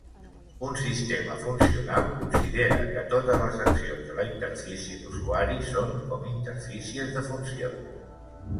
Un sistema funcional considera que totes les accions de la interfície d"usuari són com interfícies de funcions.